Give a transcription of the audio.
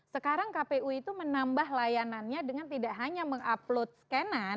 sekarang kpu itu menambah layanannya dengan tidak hanya mengupload scan an